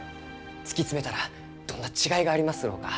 突き詰めたらどんな違いがありますろうか？